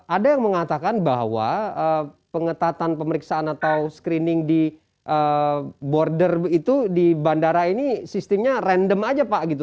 ada yang mengatakan bahwa pengetatan pemeriksaan atau screening di border itu di bandara ini sistemnya random aja pak gitu